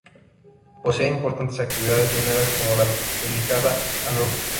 Posee importantes actividades mineras como la dedicada al oro.